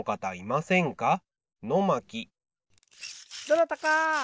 どなたか！